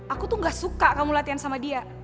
aku tuh gak suka kamu latihan sama dia